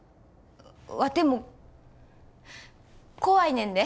ワテも怖いねんで。